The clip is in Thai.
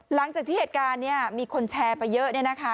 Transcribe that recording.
หลังจากที่เหตุการณ์เนี่ยมีคนแชร์ไปเยอะเนี่ยนะคะ